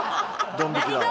ドン引きだわ。